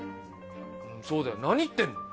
そうだよ何言ってんの？